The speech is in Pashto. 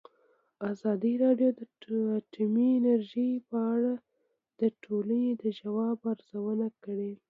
ازادي راډیو د اټومي انرژي په اړه د ټولنې د ځواب ارزونه کړې.